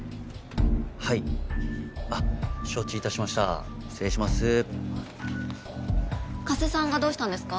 はいあっ承知いたしました失礼します加瀬さんがどうしたんですか？